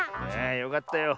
よかったよ。